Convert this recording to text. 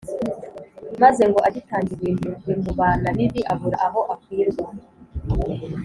maze ngo agitangira ibintu bimubana bibi abura aho akwirwa.